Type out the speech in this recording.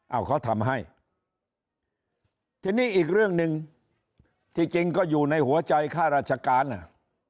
เอาเขาทำให้ทีนี้อีกเรื่องหนึ่งที่จริงก็อยู่ในหัวใจข้าราชการอ่ะ